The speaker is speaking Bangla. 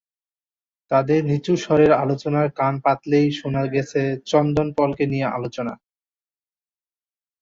তাঁদের নিচু স্বরের আলোচনায় কান পাতলেই শোনা গেছে চন্দরপলকে নিয়ে আলোচনা।